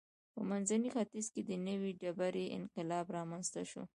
په منځني ختیځ کې د نوې ډبرې انقلاب رامنځته شو.